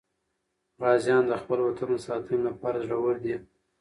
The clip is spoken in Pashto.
غازیان د خپل وطن د ساتنې لپاره زړور دي.